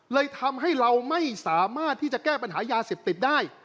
เลยทำให้เราไม่สามารถที่จะแก้ปัญหายาเสพติดได้